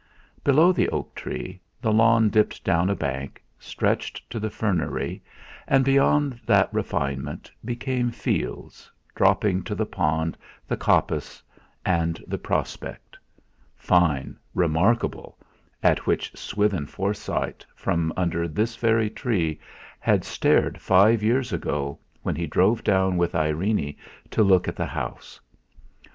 Below the oak tree the lawn dipped down a bank, stretched to the fernery, and, beyond that refinement, became fields, dropping to the pond, the coppice, and the prospect 'Fine, remarkable' at which Swithin Forsyte, from under this very tree, had stared five years ago when he drove down with Irene to look at the house.